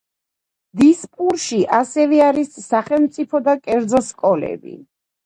დისპურში ასევე არის სახელმწიფო და კერძო სკოლები.